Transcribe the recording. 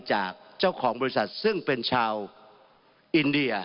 จากเจ้าของบริษัทซึ่งเป็นชาวอินเดีย